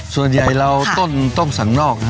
ส่วนใหญ่เราต้นต้นศักดิ์นอก